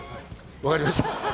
分かりました。